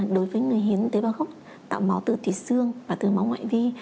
đối với người hiến tế bảo gốc tạo máu từ tùy xương và từ máu ngoại vi